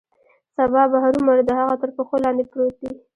سبا به هرومرو د هغه تر پښو لاندې پروت یې.